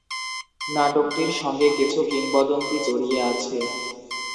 নাটকটির সঙ্গে কিছু কিংবদন্তি জড়িয়ে আছে।